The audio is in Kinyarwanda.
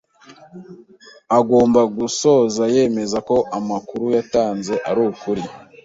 agomba gusoza yemeza ko amakuru yatanze ari ukuri